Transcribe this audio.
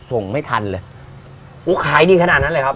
ส่งไม่ทันเลยโอ้ขายดีขนาดนั้นเลยครับ